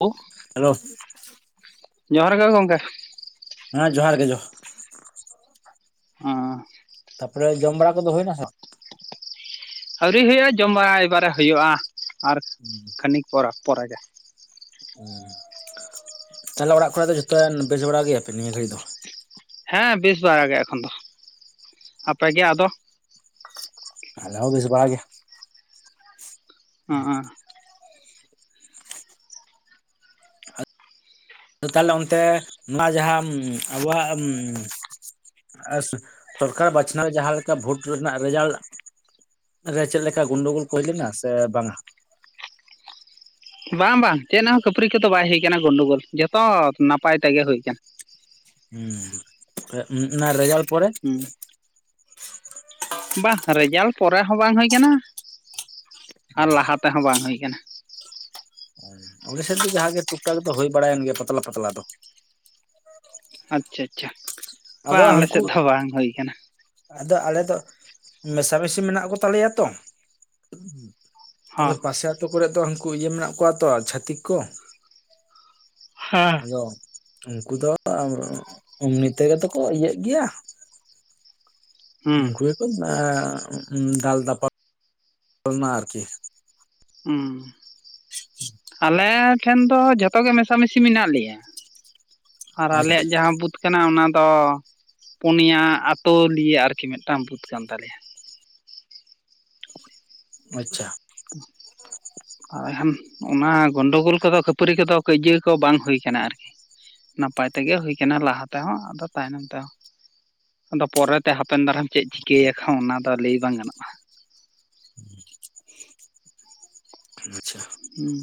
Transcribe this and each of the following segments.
ᱳ hello ᱡᱚᱦᱟᱨ ᱜᱮ ᱜᱚᱝᱠᱮ ᱦᱮᱸ ᱡᱚᱦᱟᱨ ᱜᱮ ᱡᱚ ᱟᱸ ᱛᱟᱯᱚᱨᱮ ᱡᱚᱢ ᱵᱟᱲᱟ ᱠᱚᱫᱚ ᱦᱩᱭᱱᱟ ᱥᱮ ᱵᱟᱝ? ᱟᱹᱣᱨᱤ ᱦᱩᱭᱩᱜᱼᱟ ᱡᱚᱢ ᱵᱟᱲᱟ ᱮᱵᱟᱨᱮ ᱦᱩᱭᱩᱜᱼᱟ ᱟᱨ ᱦᱩᱸ ᱠᱷᱟᱹᱱᱤᱠ ᱯᱚᱨᱮ ᱜᱮ ᱦᱩ ᱛᱟᱦᱞᱮ ᱚᱲᱟᱜ ᱠᱚᱨᱮ ᱫᱚ ᱡᱚᱛᱚ ᱵᱮᱥ ᱵᱟᱲᱟ ᱜᱮᱭᱟᱯᱮ ᱱᱤᱭᱟᱹ ᱜᱷᱟᱹᱲᱤᱡ ᱫᱚ? ᱦᱮᱸ ᱵᱮᱥ ᱵᱟᱲᱟ ᱜᱮ ᱮᱠᱷᱚᱱ ᱫᱚ ᱟᱯᱮᱜᱮ ᱟᱫᱚ ᱟᱞᱮ ᱦᱚᱸ ᱵᱤᱥ ᱵᱟᱲᱟ ᱜᱮ ᱦᱟᱸ ᱛᱟᱦᱞᱮ ᱚᱱᱛᱮ ᱱᱚᱣᱟ ᱡᱟᱦᱟᱸ ᱟᱵᱚᱣᱟᱜ ᱟᱨ ᱥᱚᱨᱠᱟᱨ ᱵᱟᱪᱷᱱᱟᱣ ᱡᱟᱦᱟᱸ ᱞᱮᱠᱟ ᱵᱷᱳᱴ ᱨᱮᱱᱟᱜ ᱨᱮᱡᱟᱞ ᱨᱮ ᱪᱮᱫ ᱞᱮᱠᱟ ᱜᱳᱱᱰᱳ ᱜᱳᱞ ᱠᱚ ᱦᱩᱭ ᱞᱮᱱᱟ ᱥᱮ ᱵᱟᱝᱟ ᱵᱟᱝ ᱵᱟᱝ ᱪᱮᱫ ᱦᱚᱸ ᱠᱷᱟᱹᱯᱟᱹᱨᱤ ᱠᱚᱫᱚ ᱵᱟᱭ ᱦᱩᱭ ᱟᱠᱟᱱᱟ ᱜᱚᱱᱰᱳ ᱜᱳᱞ ᱡᱚᱛᱚ ᱱᱟᱯᱟᱭ ᱛᱮᱜᱮ ᱦᱩᱭ ᱟᱠᱟᱱᱟ ᱦᱩᱸ ᱚᱱᱟ ᱨᱮᱡᱟᱞ ᱯᱚᱨᱮ ᱦᱩᱸ ᱵᱟᱜ ᱨᱮᱡᱟᱞ ᱯᱚᱨᱮ ᱦᱚᱸ ᱵᱟᱝ ᱦᱩᱭ ᱠᱟᱱᱟ ᱟᱨ ᱞᱟᱦᱟ ᱛᱮᱦᱚᱸ ᱵᱟᱝ ᱦᱩᱭ ᱠᱟᱱᱟ ᱚᱞᱮᱥᱮᱫ ᱫᱚ ᱡᱟᱦᱟᱸ ᱜᱮ ᱴᱩᱠ ᱴᱟᱠ ᱫᱚ ᱦᱩᱭ ᱵᱟᱲᱟᱭᱮᱱ ᱜᱮᱭᱟ ᱯᱟᱛᱞᱟ ᱯᱟᱛᱞᱟ ᱫᱚ ᱟᱪᱪᱷᱟ ᱟᱪᱪᱷᱟ ᱟᱫᱚ ᱵᱟᱝ ᱟᱞᱮ ᱦᱟᱝᱠᱩ ᱥᱮᱫ ᱫᱚ ᱵᱟᱝ ᱦᱩᱭ ᱠᱟᱱᱟ ᱟᱫᱚ ᱟᱞᱮ ᱫᱚ ᱢᱮᱥᱟ ᱢᱤᱥᱤ ᱢᱮᱱᱟᱜ ᱠᱚᱛᱟᱞᱮᱭᱟ ᱛᱚ ᱟᱫᱚ ᱦᱚᱸ ᱯᱟᱥᱮ ᱟᱹᱛᱩ ᱠᱚᱨᱮᱜ ᱫᱚ ᱦᱟᱝᱠᱩ ᱤᱭᱟᱹ ᱢᱮᱱᱟᱜ ᱠᱚᱣᱟ ᱛᱚ ᱪᱷᱟᱹᱛᱤᱠ ᱠᱚ ᱦᱮᱸ ᱩᱱᱠᱩ ᱫᱚ ᱮᱢᱱᱤ ᱛᱮᱜᱮ ᱛᱚ ᱠᱚ ᱤᱭᱟᱹᱜ ᱜᱮᱭᱟ ᱦᱩᱸ ᱩᱱᱠᱩ ᱜᱮᱠᱚ ᱫᱟᱞ ᱫᱟᱯᱟ ᱟᱨᱠᱤ ᱩᱸ ᱟᱞᱮ ᱴᱷᱮᱱ ᱫᱚ ᱡᱷᱚᱛᱚ ᱜᱮ ᱢᱮᱥᱟᱢᱤᱥᱤ ᱢᱮᱱᱟᱜ ᱞᱮᱭᱟ ᱟᱨ ᱟᱪᱪᱷᱟ ᱟᱞᱮᱭᱟᱜ ᱡᱟᱦᱟᱸ ᱵᱩᱛ ᱠᱟᱱᱟ ᱚᱱᱟ ᱫᱚ ᱯᱩᱱᱭᱟ ᱟᱛᱳ ᱞᱤᱭᱮ ᱟᱨᱠᱤ ᱢᱤᱫᱴᱟᱝ ᱵᱩᱛ ᱠᱟᱱ ᱛᱟᱞᱮᱭᱟ ᱟᱪᱪᱷᱟ [unintelligible] ᱚᱱᱟ ᱜᱚᱱᱰᱳ ᱜᱳᱞ ᱠᱚᱫᱚ ᱠᱷᱟᱹᱯᱟᱹᱨᱤ ᱠᱚᱫᱚ ᱠᱟᱹᱭᱡᱟᱹ ᱠᱚ ᱵᱟᱝ ᱦᱩᱭ ᱠᱟᱱᱟ ᱟᱨᱠᱤ ᱱᱟᱯᱟᱭ ᱛᱮᱜᱮ ᱦᱩᱭ ᱠᱟᱱᱟ ᱞᱟᱦᱟ ᱛᱮᱦᱚᱸ ᱟᱫᱚ ᱛᱟᱭᱱᱚᱢ ᱛᱮᱦᱚᱸ ᱟᱫᱚ ᱯᱚᱨᱮᱛᱮ ᱦᱟᱯᱮᱱ ᱫᱟᱨᱟᱢ ᱪᱮᱫ ᱪᱤᱠᱟᱹᱭᱟ ᱠᱚ ᱚᱱᱟ ᱫᱚ ᱞᱟᱹᱭ ᱵᱟᱝ ᱜᱟᱱᱚᱜᱼᱟ ᱟᱪᱪᱷᱟ ᱦᱩᱸ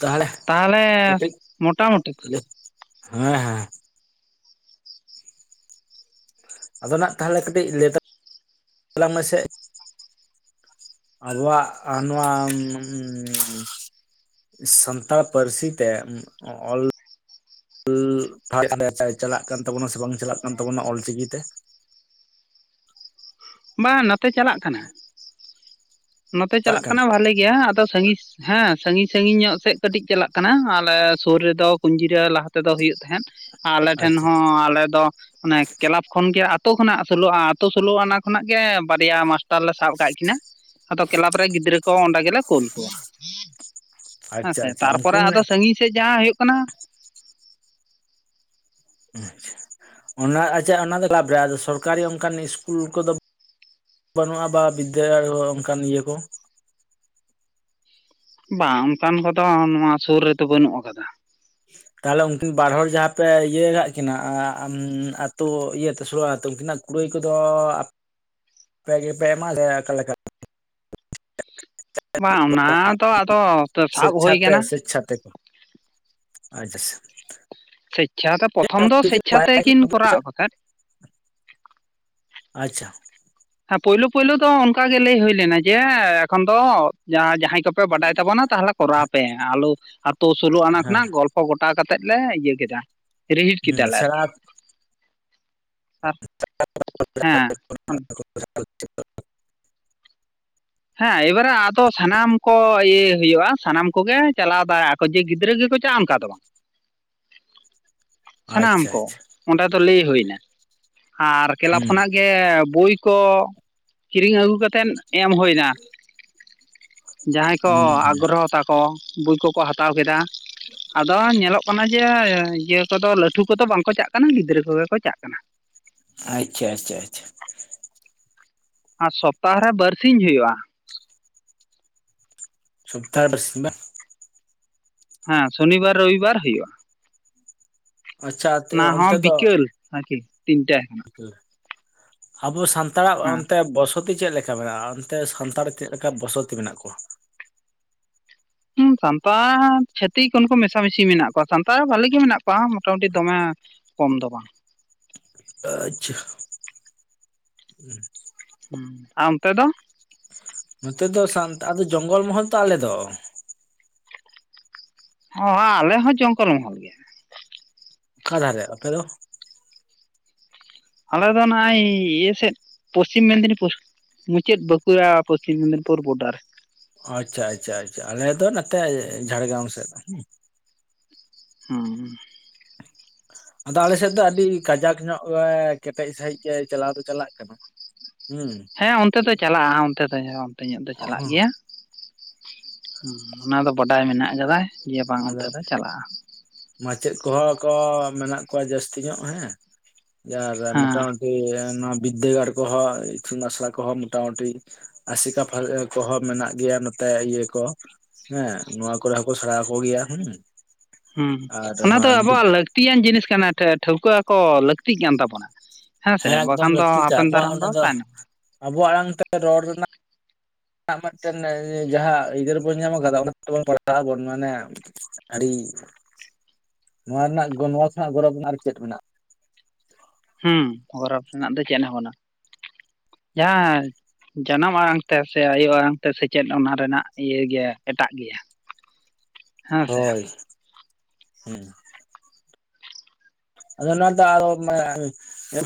ᱛᱟᱦᱚᱞᱮ ᱛᱟᱦᱚᱞᱮ ᱠᱟᱹᱴᱤᱡ ᱢᱚᱴᱟᱢᱩᱴᱤ ᱦᱮᱸ ᱦᱮᱸ ᱦᱮᱸ ᱟᱫᱚᱱ ᱦᱟᱸᱜ ᱛᱟᱦᱚᱞᱮ ᱠᱟᱹᱴᱤᱡ ᱞᱮᱛᱟ ᱟᱞᱟᱝ ᱢᱮᱥᱮ ᱟᱵᱚᱣᱟᱜ ᱟ ᱱᱚᱣᱟ ᱥᱟᱱᱛᱟᱲ ᱯᱟᱹᱨᱥᱤ ᱛᱮ ᱚᱞ ᱤᱞ [unintelligible] ᱪᱟᱞᱟᱜ ᱠᱟᱱ ᱛᱟᱵᱚᱱᱟ ᱥᱮ ᱵᱟᱝ ᱪᱟᱞᱟᱜ ᱠᱟᱱ ᱛᱟᱵᱚᱱᱟ ᱚᱞᱪᱤᱠᱤ ᱛᱮ? ᱵᱟᱝ ᱱᱚᱛᱮ ᱪᱟᱞᱟᱜ ᱠᱟᱱᱟ ᱱᱚᱛᱮ ᱪᱟᱞᱟᱜ ᱠᱟᱱᱟ ᱵᱷᱟᱞᱤ ᱜᱮᱭᱟ ᱟᱫᱚ ᱥᱟᱺᱜᱤᱥ ᱦᱮᱸ ᱥᱟᱺᱜᱤᱧ ᱥᱟᱺᱜᱤᱧ ᱧᱚᱜ ᱥᱮᱫ ᱠᱟᱹᱴᱤᱡ ᱪᱟᱞᱟᱜ ᱠᱟᱱᱟ ᱟᱞᱮ ᱥᱩᱨ ᱨᱮᱫᱚ ᱠᱩᱧᱡᱤᱨᱟᱹ ᱞᱟᱦᱟ ᱛᱮᱫᱚ ᱦᱩᱭᱩᱜ ᱛᱟᱦᱮᱸᱫ ᱟᱞᱮ ᱴᱷᱮᱱ ᱟᱪᱪᱷᱟ ᱦᱚᱸ ᱟᱞᱮ ᱫᱚ ᱢᱟᱱᱮ ᱠᱮᱞᱟᱵᱽ ᱠᱷᱚᱱ ᱜᱮ ᱟᱛᱳ ᱠᱷᱚᱱᱟᱜ ᱥᱳᱞᱳᱼᱟ ᱟᱛᱳ ᱥᱳᱞᱳ ᱟᱱᱟ ᱠᱷᱚᱱᱟᱜ ᱜᱮ ᱵᱟᱨᱭᱟ ᱢᱟᱥᱴᱟᱨ ᱞᱮ ᱥᱟᱵ ᱟᱠᱟᱫ ᱠᱤᱱᱟᱹ ᱟᱫᱚ ᱠᱮᱞᱟᱵ ᱨᱮ ᱜᱤᱫᱽᱨᱟᱹ ᱠᱚ ᱚᱸᱰᱮ ᱜᱮᱞᱮ ᱠᱩᱞ ᱠᱚᱣᱟ ᱟᱪᱪᱷᱟ ᱦᱮᱸᱥᱮ ᱟᱪᱪᱷᱟ ᱩᱱᱠᱩ ᱛᱟᱨᱯᱚᱨᱮ ᱟᱫᱚ ᱥᱟᱸᱜᱤᱧ ᱥᱮᱡ ᱡᱟᱦᱟᱸ ᱦᱩᱭᱩᱜ ᱠᱟᱱᱟ ᱚᱱᱟ ᱟᱪᱪᱷᱟ ᱚᱱᱟ ᱫᱚ ᱠᱮᱞᱟᱵᱷ ᱨᱮ ᱟᱨ ᱥᱚᱨᱠᱟᱨᱤ ᱚᱱᱠᱟᱱ ᱤᱥᱠᱩᱞ ᱠᱚᱫᱚ ᱵᱟᱹᱱᱩᱜᱼᱟ ᱵᱟ ᱵᱤᱫᱫᱟᱹᱜᱟᱨ ᱠᱚ ᱚᱱᱠᱟᱱ ᱤᱭᱟᱹ ᱠᱚ? ᱵᱟᱝ ᱚᱱᱠᱟᱱ ᱠᱚᱫᱚ ᱱᱚᱣᱟ ᱥᱩᱨ ᱨᱮᱫᱚ ᱵᱟᱹᱱᱩᱜ ᱟᱠᱟᱫᱟ ᱛᱟᱦᱚᱞᱮ ᱩᱱᱠᱤᱱ ᱵᱟᱨ ᱦᱚᱲᱚᱲ ᱡᱟᱦᱟᱸ ᱯᱮ ᱤᱭᱟᱹ ᱠᱟᱜ ᱠᱤᱱᱟ ᱟᱹᱛᱩ ᱤᱭᱟᱹᱛᱮ ᱥᱳᱞᱳᱟᱱᱟ ᱛᱮ ᱩᱱᱠᱤᱱᱟᱜ ᱠᱩᱲᱟᱹᱭ ᱠᱚᱫᱚ ᱟᱯᱮ ᱜᱮᱯᱮ ᱮᱢᱟ ᱞᱮᱭᱟ ᱚᱠᱟ ᱞᱮᱠᱟ ᱵᱟᱝ ᱚᱱᱟ ᱫᱚ ᱟᱫᱚ [inaudible] ᱥᱟᱵ ᱦᱩᱭ ᱠᱟᱱᱟ ᱥᱮᱪᱪᱷᱟᱛᱮ ᱥᱮᱪᱪᱷᱟᱛᱮ ᱟᱡᱟᱥ ᱥᱮᱪᱪᱷᱟ ᱫᱚ ᱯᱨᱚᱛᱷᱚᱢ ᱫᱚ ᱥᱤᱪᱪᱷᱟ ᱛᱮᱠᱤᱱ ᱠᱚᱨᱟᱣ ᱠᱚ ᱛᱟᱦᱮᱸᱫ ᱟᱪᱪᱷᱟ ᱦᱮᱸ ᱯᱳᱭᱞᱳ ᱯᱳᱭᱞᱳ ᱫᱚ ᱚᱱᱠᱟ ᱜᱮ ᱞᱟᱹᱭ ᱦᱩᱭ ᱞᱮᱱᱟ ᱡᱮ ᱮᱠᱷᱚᱱ ᱫᱚ ᱡᱟᱦᱟᱸᱭ ᱠᱚ ᱯᱮ ᱵᱟᱰᱟᱭ ᱛᱟᱵᱚᱱᱟ ᱛᱟᱦᱚᱞᱮ ᱠᱚᱨᱟᱣ ᱯᱮ ᱟᱞᱚ ᱟᱛᱳ ᱥᱳᱞᱳ ᱟᱱᱟ ᱦᱮᱸ ᱠᱷᱚᱱᱟᱜ ᱜᱚᱞᱯ ᱜᱚᱴᱟ ᱠᱟᱛᱮᱫ ᱞᱮ ᱤᱭᱟᱹ ᱠᱮᱫᱟ ᱨᱤᱦᱤᱴ ᱦᱩᱸ ᱠᱮᱫᱟᱞᱮ ᱥᱮᱬᱟ ᱟᱨᱠᱤ ᱟᱨ ᱦᱮᱸ ᱦᱮᱸ ᱮᱵᱟᱨᱮ ᱟᱫᱚ ᱥᱟᱱᱟᱢ ᱠᱚ ᱤᱭᱟᱹ ᱦᱩᱭᱩᱜᱼᱟ ᱥᱟᱱᱟᱢ ᱠᱚᱜᱮ ᱪᱟᱞᱟᱣ ᱵᱟᱲᱟᱜᱼᱟ ᱠᱚ ᱡᱮ ᱜᱤᱫᱽᱨᱟᱹ ᱜᱮᱠᱚ ᱪᱟᱜᱼᱟ ᱚᱱᱠᱟ ᱫᱚ ᱵᱟ [inaudible] ᱥᱟᱱᱟᱢ ᱟᱪᱪᱷᱟ ᱠᱚ ᱟᱪᱪᱷᱟ ᱚᱸᱰᱮ ᱫᱚ ᱞᱟᱹᱭ ᱦᱩᱭᱱᱟ ᱟᱨ ᱠᱞᱟᱵᱽ ᱦᱩᱸ ᱠᱷᱚᱱᱟᱜ ᱜᱮ ᱵᱳᱭ ᱠᱚ ᱠᱤᱨᱤᱧ ᱟᱹᱜᱩ ᱠᱟᱛᱮᱫ ᱮᱢ ᱦᱩᱭᱱᱟ᱾ ᱡᱟᱦᱟᱸᱭ ᱠᱚ ᱦᱩᱸ ᱦᱩᱸ ᱟᱜᱽᱨᱚᱦᱚ ᱛᱟᱠᱚ ᱵᱳᱭ ᱠᱚᱠᱚ ᱦᱟᱛᱟᱣ ᱠᱮᱫᱟ ᱟᱫᱚ ᱧᱮᱞᱚᱜ ᱠᱟᱱᱟ ᱡᱮ ᱤᱭᱟᱹ ᱠᱚᱫᱚ ᱞᱟᱹᱴᱷᱩ ᱠᱚᱫᱚ ᱵᱟᱝᱠᱚ ᱪᱟᱜ ᱠᱟᱱᱟ ᱜᱤᱫᱽᱨᱟᱹ ᱠᱚᱜᱮ ᱠᱚ ᱪᱟᱜ ᱠᱟᱱᱟ ᱟᱪᱪᱷᱟ ᱟᱪᱪᱷᱟ ᱟᱪᱪᱷᱟ ᱟᱨ ᱥᱚᱯᱛᱟᱦᱚ ᱨᱮ ᱵᱟᱨᱥᱤᱧ ᱦᱩᱭᱩᱜᱼᱟ᱾ ᱥᱚᱯᱛᱟ ᱨᱮ ᱵᱟᱨ ᱥᱤᱧᱵᱟ ᱦᱮᱸ ᱥᱚᱱᱤᱵᱟᱨ ᱨᱚᱵᱤᱵᱟᱨ ᱦᱩᱭᱩᱜᱼᱟ ᱟᱪᱪᱷᱟ ᱚᱱᱟ ᱦᱚᱸ ᱚᱱᱛᱮ ᱫᱚ ᱵᱤᱠᱟ. ᱞ ᱟᱨᱠᱤ ᱛᱤᱱᱴᱟ ᱠᱷᱚᱱᱟᱜ ᱟᱵᱚ ᱥᱟᱱᱛᱟᱲᱟᱜ ᱦᱮᱸ ᱚᱱᱛᱮ ᱵᱚᱥ ᱥᱚᱛᱤ ᱪᱮᱫ ᱞᱮᱠᱟ ᱢᱮᱱᱟᱜᱼᱟ ᱚᱱᱛᱮ ᱥᱟᱱᱛᱟᱲ ᱪᱮᱫ ᱞᱮᱠᱟ ᱵᱚᱥᱚᱛᱤ ᱢᱮᱱᱟᱜ ᱠᱚᱣᱟ? ᱦᱩᱸ ᱥᱟᱱᱛᱟᱲ ᱪᱷᱟᱹᱛᱤᱠ ᱩᱱᱠᱩ ᱢᱮᱥᱟᱢᱤᱥᱤ ᱢᱮᱱᱟᱜ ᱠᱚᱣᱟ ᱥᱟᱱᱛᱟᱲ ᱵᱷᱟᱞᱤ ᱜᱮ ᱢᱮᱱᱟᱜ ᱠᱚᱣᱟ ᱢᱳᱴᱟᱢᱩᱴᱤ ᱫᱚᱢᱮ ᱠᱚᱢ ᱫᱚ ᱵᱟᱝ ᱟᱪᱪᱷᱟ ᱦᱩᱸ ᱟᱨ ᱚᱱᱛᱮ ᱫᱚ? ᱱᱚᱛᱮ ᱫᱚ ᱥᱟᱱᱛᱟᱲ ᱟᱫᱚ ᱡᱚᱝᱜᱚᱞ ᱢᱚᱦᱚᱞ ᱛᱚ ᱟᱞᱮ ᱫᱚ ᱚ ᱟ ᱟᱞᱮ ᱦᱚᱸ ᱡᱚᱝᱜᱚᱞ ᱢᱚᱦᱚᱞ ᱜᱮ ᱚᱠᱟ ᱫᱷᱟᱨᱮ ᱟᱯᱮ ᱫᱚ? ᱟᱞᱮᱫᱚ ᱚᱱᱟ ᱤᱭᱟᱹ ᱥᱮᱫ ᱯᱚᱥᱪᱷᱤᱢ ᱢᱮᱫᱽᱱᱤᱯᱩᱨ᱾ ᱢᱩᱪᱟᱹᱫ ᱵᱟᱠᱩᱲᱟ ᱯᱚᱥᱪᱷᱤᱢ ᱢᱮᱫᱽᱱᱤᱯᱩᱨ ᱵᱳᱰᱟᱨ ᱾ ᱟᱪᱪᱷᱟ ᱟᱪᱪᱷᱟ ᱟᱪᱪᱷᱟ, ᱟᱞᱮ ᱫᱚ ᱱᱟᱛᱮ ᱡᱷᱟᱲᱜᱨᱟᱢ ᱥᱮᱫ ᱾ ᱦᱩᱸ ᱟᱫᱚ ᱟᱞᱮ ᱥᱮᱫ ᱫᱚ ᱟᱹᱰᱤ ᱠᱟᱡᱟᱠ ᱧᱚᱜ ᱜᱮ ᱠᱮᱴᱮᱡ ᱥᱟᱺᱦᱤᱡ ᱜᱮ ᱪᱟᱞᱟᱣ ᱫᱚ ᱪᱟᱞᱟᱜᱼᱼ ᱠᱟᱱᱟ ᱾ ᱦᱩᱸ ᱦᱮᱸ ᱚᱱᱛᱮ ᱫᱚ ᱪᱟᱞᱟᱜᱼᱟ ᱚᱱᱛᱮ ᱫᱚ ᱚᱱᱛᱮ ᱧᱚᱜ ᱫᱚ ᱪᱟᱞᱟᱜ ᱜᱮᱭᱟ ᱾ ᱦᱩᱸ ᱚᱱᱟ ᱫᱚ ᱵᱟᱰᱟᱭ ᱢᱮᱱᱟᱜ ᱠᱟᱫᱟ ᱡᱮ ᱵᱟᱝ ᱟᱫᱚ ᱚᱱᱛᱮ ᱫᱚ ᱪᱟᱞᱟᱜᱼᱟ ᱾ ᱢᱟᱪᱮᱫ ᱠᱚᱦᱚᱸ ᱠᱚ ᱢᱮᱱᱟᱜ ᱠᱚᱣᱟ ᱡᱟᱹᱥᱛᱤ ᱧᱚᱜ ᱦᱮᱸ ᱟᱨ ᱦᱮᱸ ᱢᱚᱴᱟᱢᱩᱼᱼ ᱤᱭᱟ. ᱱᱚᱣᱟ ᱵᱤᱫᱟᱹᱜᱟᱲ ᱠᱚᱦᱚ ᱤᱛᱩᱱ ᱟᱥᱲᱟ ᱠᱚᱦᱚ ᱢᱳᱴᱟᱢᱩᱴᱤ ᱾ ᱟᱥᱮᱠᱟ ᱠᱚᱦᱚᱸ ᱢᱮᱱᱟᱜ ᱜᱮᱭᱟ ᱱᱚᱛᱮ ᱤᱭᱟᱹ ᱠᱚ ᱦᱮᱸ ᱱᱚᱣᱟ ᱠᱚᱨᱮ ᱦᱚᱸᱠᱚ ᱥᱮᱬᱟᱠᱚ ᱾ ᱩᱬᱭᱟ ᱦᱩᱸ ᱦᱩᱸ ᱚᱱᱟ ᱫᱚ ᱟᱵᱚᱣᱟᱜ ᱞᱟᱹᱠᱛᱤᱭᱟᱱ ᱡᱤᱱᱤᱥ ᱠᱟᱱᱟ ᱴᱷᱟᱹᱣᱠᱟᱹ ᱟᱠᱚ ᱞᱟᱹᱠᱛᱤᱜ ᱠᱟᱱ ᱛᱟᱵᱚᱱᱟ ᱾ ᱦᱮᱸ ᱥᱮ ᱵᱟᱠᱷᱟᱱ ᱫᱚ ᱦᱟᱯᱮᱱ ᱫᱟᱨᱟᱢ ᱫᱚ ᱛᱟᱦᱮᱱᱚᱜ ᱾ ᱟᱵᱳᱣᱟᱜ ᱟᱲᱟᱝ ᱛᱮ ᱨᱚᱲ ᱨᱮᱱᱟᱜᱼᱼ ᱢᱤᱫᱴᱮᱱ ᱡᱟᱦᱟᱸ ᱟ. ᱫᱟᱹᱨ ᱵᱚᱱ ᱧᱟᱢ ᱠᱟᱫᱟ ᱚᱱᱟ ᱛᱮᱵᱚᱱ ᱯᱟᱲᱦᱟ. ᱜ ᱟᱵᱚᱱ ᱢᱟᱱᱮᱼᱼ ᱟᱹᱰᱤ ᱱᱚᱣᱟ ᱨᱮᱱᱟᱜ ᱱᱚᱣᱟ ᱠᱷᱚᱱᱟᱜ ᱜᱚᱨᱚᱵᱽ ᱨᱮᱱᱟᱜ ᱟᱨ ᱪᱮᱫ ᱢᱮᱱᱟᱜᱼᱟ ᱾ ᱦᱩᱸ ᱜᱚᱨᱚᱵᱽ ᱨᱮᱱᱟᱜ ᱫᱚ ᱪᱮᱫ ᱦᱚᱸ ᱵᱟᱱᱩᱜᱟ, ᱡᱟᱦᱟᱸᱼᱼ ᱡᱟᱱᱟᱢ ᱟᱲᱟᱝ ᱛᱮ ᱥᱮ ᱟᱭᱳ ᱟᱲᱟᱝ ᱛᱮ ᱥᱮᱪᱮᱫ ᱚᱱᱟ ᱨᱮᱱᱟᱜ ᱤᱭᱟᱹ ᱜᱮ ᱮᱴᱟᱜ ᱜᱮᱭᱟ ᱾ ᱦᱚᱭ ᱦᱩᱸ ᱟᱫᱚ ᱱᱚᱣᱟ ᱫᱚ ᱟᱨᱚ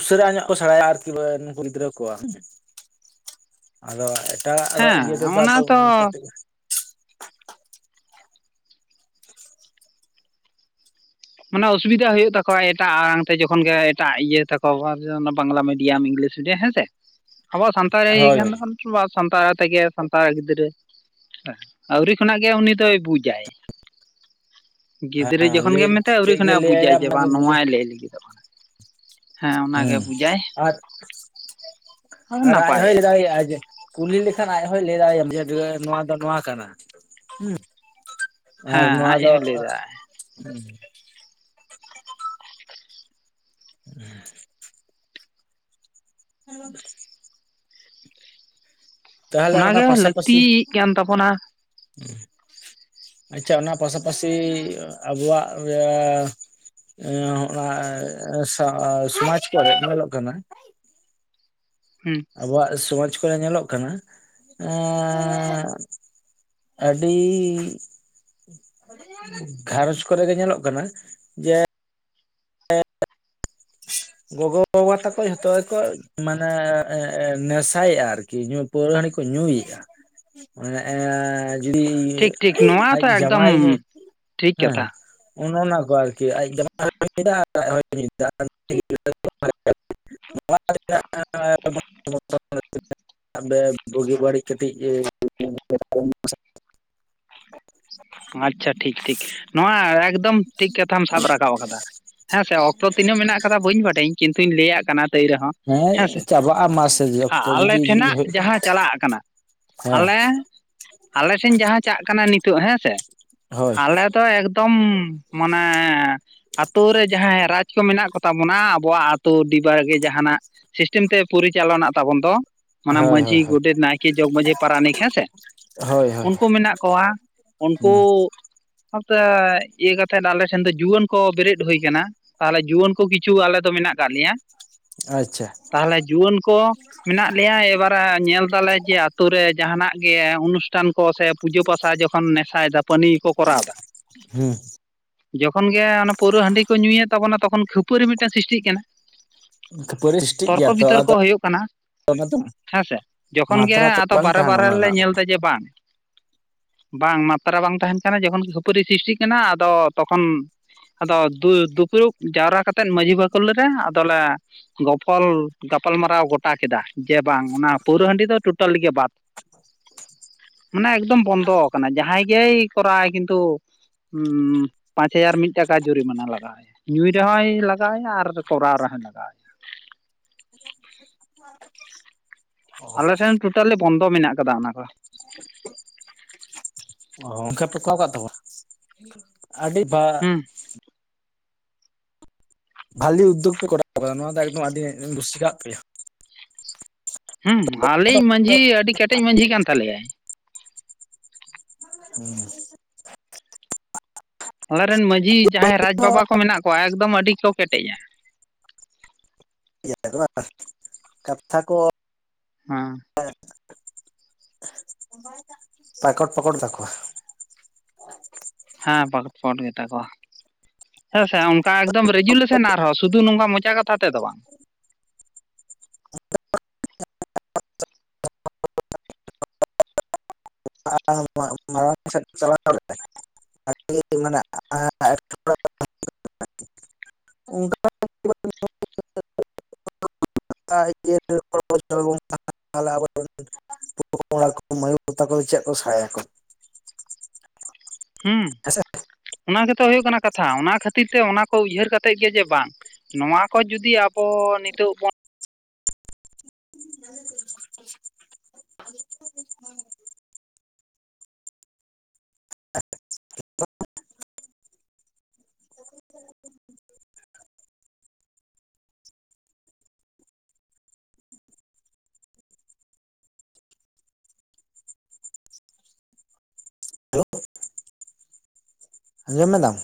ᱩᱥᱟᱹᱨᱟ ᱧᱚᱜ ᱠᱚ ᱥᱮᱲᱟᱭᱟ ᱟᱨ ᱠᱤ ᱜᱤᱫᱽᱨᱟᱹ ᱠᱚ ᱾ ᱟᱫᱚ ᱮᱴᱟᱜ ᱦᱮᱸ ᱤᱭᱟᱹ ᱛᱮᱫᱚ ᱚᱱᱟ ᱟᱫᱚ ᱛᱚ ᱠᱟᱹᱴᱤᱡᱼᱼ ᱢᱟᱱᱮ ᱚᱥᱩᱵᱤᱫᱟ ᱦᱩᱭᱩᱜ ᱛᱟᱠᱚᱣᱟ ᱮᱴᱟᱜ ᱟᱲᱟᱝ ᱛᱮ ᱡᱚᱠᱷᱚᱱ ᱜᱮ ᱮᱴᱟᱜ ᱤᱭᱟᱹ ᱛᱟᱠᱚᱣᱟ ᱵᱟᱝᱞᱟ ᱢᱤᱰᱤᱭᱟᱢ ᱤᱝᱞᱤᱥᱼᱼ ᱡᱮ ᱦᱮᱸᱥᱮ ᱟᱵᱚᱣᱟᱜ ᱥᱟᱱᱛᱟᱲᱤ ᱦᱳᱭ ᱠᱟᱱ ᱛᱟᱵᱚᱱ ᱥᱟᱱᱛᱟᱲ ᱛᱮᱜᱮ ᱥᱟᱱᱛᱟᱲ ᱜᱤᱫᱽᱨᱟᱹᱼᱼ ᱟᱹᱣᱨᱤ ᱠᱷᱚᱱᱟᱜ ᱜᱮ ᱩᱱᱤ ᱫᱚᱭ ᱵᱩᱡᱟᱭ ᱜᱤᱫᱽᱨᱟᱹ ᱦᱮᱸ ᱡᱚᱠᱷᱚᱱ ᱜᱮ ᱞᱟᱹᱭ ᱢᱮᱼᱼ ᱟᱹᱣᱨᱤ ᱪᱮᱫ ᱠᱷᱚᱮ ᱜᱮ ᱵᱩᱡᱟᱭ ᱞᱟᱹᱭᱟᱭᱟᱢ ᱡᱮ ᱚᱱᱟᱜᱮ ᱵᱟᱝ ᱵᱩᱡᱟ ᱱᱚᱣᱟᱭ ᱞᱟᱹᱭ ᱞᱟᱹᱜᱤᱫᱚᱜ ᱠᱟᱱᱟ ᱾ ᱦᱮᱸ ᱟᱨ, ᱟᱨ ᱱᱟᱯᱟᱭ ᱟᱡᱦᱚᱭ ᱞᱟ. ᱭ ᱟᱨᱠᱤ ᱫᱟᱲᱮᱭᱟᱜᱼᱟ ᱡᱮᱼᱼ ᱠᱩᱞᱤ ᱞᱮᱠᱷᱟᱱ ᱟᱡ ᱦᱚᱭ ᱞᱟᱹᱭ ᱫᱟᱲᱮᱭᱟᱢ ᱡᱮ ᱱᱚᱣᱟ ᱫᱚ ᱱᱚᱣᱟ ᱠᱟᱱᱟ ᱦᱩᱸ ᱾ ᱟᱨ ᱦᱮᱸ ᱱᱚᱣᱟ ᱟᱡ ᱫᱚ ᱦᱚᱸᱭ ᱞᱟᱹᱭᱫᱟ ᱦᱩᱼᱼ [unintelligible] ᱦᱮᱸ ᱦ [unintelligible] ᱛᱟᱦᱚᱞᱮ ᱚᱱᱟ ᱚᱱᱟᱜᱮ ᱯᱟᱥᱟ ᱯᱟᱥᱤᱼᱼ ᱞᱟᱹᱠᱛᱤᱜ ᱠᱟᱱ ᱛᱟᱵᱚᱱᱟ ᱟᱪᱪᱷᱟ, ᱚᱱᱟ ᱯᱟᱥᱟᱯᱟᱥᱤ ᱟᱵᱚᱣᱟᱜ ᱨᱮᱼᱼ ᱮ [unintelligible] ᱥᱚᱢᱟᱡ ᱠᱚᱨᱮ ᱧᱮᱞᱚᱜ ᱠᱟᱱᱟ ᱾ ᱦᱩᱸ ᱟᱵᱚᱣᱟᱜ ᱨᱮ ᱥᱚᱢᱟᱡ ᱠᱚᱨᱮ ᱧᱮᱞᱚᱜ ᱠᱟᱱᱟ ᱟᱻ ᱟᱹᱰᱤᱼᱼ ᱜᱷᱟᱨᱚᱧᱡᱽ ᱠᱚᱨᱮ ᱜᱮ ᱧᱮᱞᱚᱜ ᱠᱟᱱᱟ ᱡᱮᱼᱼ ᱜᱚᱜᱚ ᱵᱟᱵᱟ ᱛᱟᱠᱚ ᱡᱷᱚᱛᱚ ᱜᱮᱠᱚ ᱢᱟᱱᱮ ᱱᱮᱥᱟᱭᱮᱫᱼᱟ ᱟᱨᱠᱤ ᱧᱩ ᱾ ᱯᱟᱹᱣᱨᱟᱹ ᱦᱟᱺᱰᱤ ᱠᱚ ᱧᱩᱭᱮᱫᱼᱟ ᱮ ᱾ ᱡᱩᱫᱤ ᱴᱷᱤᱠ ᱴᱷᱤᱠ ᱱᱚᱣᱟ ᱟᱡ ᱛᱚ ᱮᱠᱫᱚᱢ ᱡᱟᱢᱟᱭ [unintelligible] ᱴᱷᱤᱠ ᱦᱮᱸ ᱠᱟᱛᱷᱟ ᱚᱱᱮ ᱚᱱᱟ ᱠᱚ ᱟᱨᱠᱤ ᱟᱡ ᱡᱟᱟᱭ ᱦᱚᱟ ᱟᱨ ᱟᱡ ᱦᱚᱭ ᱢᱤᱫᱟ [unintelligible] [unintelligible] [unintelligible] ᱵᱩᱜᱤ ᱵᱟᱹᱲᱤᱡ ᱠᱟᱹᱴᱤᱡ [unintelligible] ᱟᱪᱪᱷᱟ ᱴᱷᱤᱠ ᱴᱷᱤᱠ, ᱱᱚᱣᱟ ᱮᱠᱫᱚᱢ ᱴᱷᱤᱠ ᱠᱟᱛᱷᱟᱢ ᱥᱟᱵ ᱨᱟᱠᱟᱵ ᱟᱠᱟᱫᱟ ᱦᱮᱸ ᱥᱮ ᱾ ᱛᱚ ᱛᱤᱱᱟᱹᱜ ᱢᱮᱱᱟᱜ ᱠᱟᱫᱟ ᱵᱟᱹᱧ ᱵᱟᱰᱟᱭᱟᱹᱧ ᱠᱤᱱᱛᱩᱧ ᱞᱟᱹᱭᱟᱜ ᱠᱟᱱᱟ ᱛᱟᱹᱭ ᱨᱮᱦᱚᱸ᱾ ᱦᱮᱸ ᱥᱮ, ᱪᱟᱵᱟᱜᱼᱟ ᱢᱟᱥᱮ ᱚᱠᱛᱚ ᱟ-ᱟᱞᱮ ᱡᱩᱫᱤ ᱴᱷᱮᱱᱟᱜ ᱦᱩᱭᱩᱜ ᱡᱟᱦᱟᱸ ᱪᱟᱞᱟᱜ ᱠᱟᱱᱟ᱾ ᱦᱮᱸ ᱟᱞᱮ, ᱟᱞᱮ ᱥᱮᱱ ᱡᱟᱦᱟᱸ ᱪᱟᱜ ᱠᱟᱱᱟ ᱱᱤᱛᱳᱜ ᱦᱮᱸ ᱥᱮ᱾ ᱦᱳᱭ ᱟᱞᱮ ᱛᱚ ᱮᱠᱫᱚᱢ ᱢᱟᱱᱮᱻ ᱟᱛᱳ ᱨᱮ ᱡᱟᱦᱟᱸᱭ ᱨᱟᱡᱽ ᱠᱚ ᱢᱮᱱᱟᱜ ᱠᱚᱛᱟ ᱵᱚᱱᱟ ᱟᱵᱚᱣᱟᱜ ᱟᱛᱳ ᱰᱤᱵᱟᱹ ᱜᱮ ᱡᱟᱸᱦᱟᱱᱟᱜ᱾ ᱥᱤᱥᱴᱮᱢ ᱛᱮ ᱯᱚᱨᱤᱪᱟᱞᱚᱱᱟᱜ ᱛᱟᱵᱚᱱ ᱫᱚ᱾ ᱢᱟᱱᱮ ᱦᱳᱭ ᱢᱟᱺᱡᱷᱤ, ᱦᱳᱭ ᱦᱳᱭ ᱜᱚᱰᱮᱛ, ᱱᱟᱭᱠᱮ, ᱡᱚᱜᱽ ᱢᱟᱺᱡᱷᱤ, ᱯᱟᱨᱟᱱᱤᱠ ᱦᱮᱸ ᱥᱮ ᱦᱳᱭ ᱦᱳᱭ ᱩᱱᱠᱩ ᱢᱮᱱᱟᱜ ᱠᱚᱣᱟ᱾ ᱩᱱᱠᱩ ᱦᱩᱸ ᱟᱛᱮᱫ ᱤᱭᱟᱹ ᱠᱟᱛᱮᱫ ᱟᱞᱮ ᱴᱷᱮᱱ ᱫᱚ ᱡᱩᱣᱟᱹᱱ ᱠᱚ ᱵᱮᱨᱮᱫ ᱦᱩᱭ ᱠᱟᱱᱟ᱾ ᱛᱟᱦᱞᱮ ᱡᱩᱣᱟᱹᱱ ᱠᱚ ᱠᱤᱪᱷᱩ ᱟᱞᱮ ᱫᱚ ᱢᱮᱱᱟᱜ ᱠᱟᱫ ᱞᱮᱭᱟ᱾ ᱟᱪᱪᱷᱟ᱾ ᱛᱟᱦᱞᱮ ᱡᱩᱣᱟᱹᱱ ᱠᱚ ᱦᱮᱱᱟᱜ ᱞᱮᱭᱟ ᱮᱵᱟᱨᱮ ᱧᱮᱞ ᱫᱟᱞᱮ ᱡᱮ ᱟᱛᱳ ᱨᱮ ᱡᱟᱸᱦᱟᱱᱟᱜ ᱜᱮ ᱚᱱᱩᱥᱴᱷᱟᱱ ᱠᱚ ᱥᱮ ᱯᱩᱡᱟᱹ ᱯᱟᱥᱟ ᱡᱚᱠᱷᱚᱱ ᱱᱮᱥᱟᱭ ᱡᱟᱹᱯᱟᱹᱱᱤ ᱠᱚ ᱠᱚᱨᱟᱣᱮᱫᱟ᱾ ᱦᱩᱸ᱾ ᱡᱚᱠᱷᱚᱱ ᱜᱮ ᱚᱱᱟ ᱯᱟᱹᱣᱨᱟᱹ ᱦᱟᱺᱰᱤ ᱠᱚ ᱧᱩᱭᱟ ᱛᱟᱵᱚᱱᱟ ᱛᱚᱠᱷᱚᱱ ᱠᱷᱟᱹᱯᱟᱹᱨᱤ ᱢᱤᱫᱴᱮᱱ ᱥᱨᱤᱥᱴᱤᱜ ᱠᱟᱱᱟ᱾ ᱯᱚᱨᱤᱥᱴᱤᱠ ᱛᱚᱨᱠᱚ ᱜᱮᱭᱟ ᱛᱚ ᱵᱤᱛᱚᱨᱠᱚ ᱟᱫᱚ ᱦᱩᱭᱩᱜ ᱠᱟᱱᱟ᱾ ᱚᱱᱟ ᱫᱚ ᱦᱮᱸ ᱥᱮ ᱡᱚᱠᱷᱚᱱ ᱜᱮ ᱢᱟᱛᱨᱟ ᱛᱚ ᱟᱫᱚ ᱵᱟᱝ ᱵᱟᱨᱮ ᱛᱟᱦᱮᱱᱟ ᱵᱟᱨᱮ ᱚᱱᱟ ᱞᱮ ᱨᱮᱱᱟᱜ ᱫᱚ ᱧᱮᱞᱫᱟ ᱡᱮ ᱵᱟᱝ᱾ ᱵᱟᱝ ᱢᱟᱛᱨᱟ ᱵᱟᱝ ᱛᱟᱸᱦᱮᱱ ᱠᱟᱱᱟ ᱡᱚᱠᱷᱚᱱ ᱠᱷᱟᱹᱯᱟᱹᱨᱤ ᱥᱨᱤᱥᱴᱤᱜ ᱠᱟᱱᱟ ᱟᱫᱚ ᱛᱚᱠᱷᱚᱱ᱾ ᱟᱫᱚ ᱫᱩ-ᱫᱩᱯᱲᱩᱵ ᱡᱟᱣᱨᱟ ᱠᱟᱛᱮᱫ ᱢᱟᱺᱡᱷᱤ ᱵᱟᱠᱷᱳᱞ ᱨᱮ ᱟᱫᱚᱞᱮ ᱜᱚᱯᱚᱞ ᱜᱟᱯᱟᱞᱢᱟᱨᱟᱣ ᱜᱚᱴᱟ ᱠᱮᱫᱟ ᱡᱮ ᱵᱟᱝ ᱚᱱᱟ ᱯᱟᱹᱣᱨᱟᱹ ᱦᱟᱺᱰᱤ ᱫᱚ ᱴᱳᱴᱟᱞᱤ ᱜᱮ ᱵᱟᱫ᱾ [inaudible] ᱢᱟᱱᱮ ᱮᱠᱫᱚᱢ ᱵᱚᱱᱫᱚ ᱠᱟᱱᱟ ᱡᱟᱦᱟᱸᱭ ᱜᱮᱭ ᱠᱚᱨᱟᱣᱟ ᱠᱤᱱᱛᱩ ᱩᱸᱻ ᱯᱟᱸᱪ ᱦᱟᱡᱟᱨ ᱢᱤᱫ ᱴᱟᱠᱟ ᱡᱩᱨᱤᱢᱟᱱᱟ ᱞᱟᱜᱟᱣᱮᱭᱟ᱾ ᱧᱩᱭ ᱨᱮᱦᱚᱸᱭ ᱞᱟᱜᱟᱣᱮᱭᱟ ᱟᱨ ᱠᱚᱨᱟᱣ ᱨᱮᱦᱚᱸᱭ ᱞᱟᱜᱟ᱾ [unintelligible] ᱟᱞᱮᱴᱷᱮᱱ ᱴᱳᱴᱟᱞᱤ ᱵᱚᱱᱫᱚ ᱢᱮᱱᱟᱜ ᱠᱟᱫᱟ ᱚᱱᱟ ᱠᱚ᱾ ᱮᱸ ᱚᱱᱠᱟ ᱯᱮ ᱠᱚᱨᱟᱣ ᱠᱟᱜ ᱛᱟᱵᱚᱣᱟ? ᱟᱹᱰᱤ ᱵᱟ ᱦᱩᱸ ᱵᱷᱟᱞᱤ ᱩᱫᱽᱫᱳᱜᱽ ᱯᱮ ᱠᱚᱨᱟᱣ ᱠᱟᱫᱟ ᱱᱚᱣᱟ ᱫᱚ ᱮᱠᱫᱚᱢ ᱟᱹᱰᱤ ᱠᱩᱥᱤ ᱠᱟᱜ ᱯᱮᱭᱟ᱾ ᱦᱩᱢ, ᱟᱞᱮᱭᱤᱡ ᱢᱟᱺᱡᱷᱤ ᱟᱹᱰᱤ ᱠᱮᱴᱮᱡ ᱢᱟᱺᱡᱷᱤ ᱠᱟᱱ ᱛᱟᱞᱮᱭᱟᱭ᱾ ᱦᱩᱸ᱾ ᱦᱚᱞᱟ ᱨᱮᱱ ᱢᱟᱺᱡᱷᱤ ᱡᱟᱦᱟᱸᱭ ᱨᱟᱡᱽ ᱵᱟᱵᱟ ᱠᱚ ᱢᱮᱱᱟᱜ ᱠᱚᱣᱟ ᱮᱠᱫᱚᱢ ᱟᱹᱰᱤ ᱠᱚ ᱠᱮᱴᱮᱡ-ᱟ᱾ [unintelligible] ᱠᱟᱛᱷᱟ ᱠᱚ ᱦᱩᱸ᱾ [unintelligible] ᱯᱟᱠᱚᱴ ᱯᱚᱠᱚᱴ ᱫᱟᱠᱚ᱾ ᱦᱮᱸ ᱯᱟᱠᱚᱴ ᱯᱟᱠᱚᱴ ᱜᱮᱛᱟ ᱠᱚᱣᱟ᱾ ᱦᱮᱸ ᱥᱮ ᱚᱱᱠᱟ ᱮᱠᱫᱚᱢ ᱨᱮᱡᱩᱞᱮᱥᱚᱱ ᱟᱨᱦᱚᱸ ᱥᱩᱫᱩ ᱱᱚᱝᱠᱟ ᱢᱚᱪᱟ ᱠᱟᱛᱷᱟ ᱛᱮᱫᱚ ᱵᱟᱝ᱾ [unintelligible] [unintelligible] [unintelligible] [unintelligible] [unintelligible] ᱯᱚᱲᱟ ᱠᱚ ᱢᱟᱹᱭᱩᱵ ᱛᱟᱠᱚᱫᱚ ᱪᱮᱫ ᱠᱚ ᱥᱟᱭᱟᱠᱚ? ᱦᱩᱸ, ᱦᱮᱸᱥᱮ ᱚᱱᱟ ᱜᱮᱛᱚ ᱦᱩᱭᱩᱜ ᱠᱟᱱᱟ ᱠᱟᱛᱷᱟ ᱚᱱᱟ ᱠᱷᱟᱹᱛᱤᱨ ᱛᱮ ᱚᱱᱟ᱾ ᱠᱚ ᱩᱭᱦᱟᱹᱨ ᱠᱟᱛᱮ ᱜᱮ ᱡᱮ ᱵᱟᱝ, ᱱᱚᱣᱟ ᱠᱚ ᱡᱩᱫᱤ ᱟᱵᱚ ᱱᱤᱛᱚᱜ ᱵᱚᱱ [unintelligible] [unintelligible] ᱟᱸᱡᱚᱢ ᱮᱫᱟᱢ